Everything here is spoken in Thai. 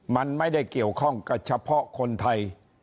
มันไม่ได้เกี่ยวข้องกับเฉพาะคนไทย